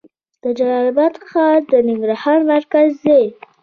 د جلال اباد ښار د ننګرهار مرکز دی